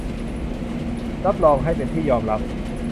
รับรองให้เป็นที่ยอมรับ